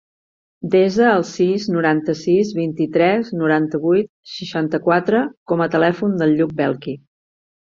Desa el sis, noranta-sis, vint-i-tres, noranta-vuit, seixanta-quatre com a telèfon del Lluc Belchi.